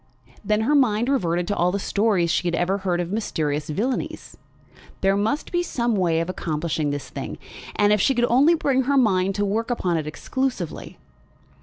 Then her mind reverted to all the stories she had ever heard of mysterious villanies. There must be some way of accomplishing this thing, if she could only bring her mind to work upon it exclusively.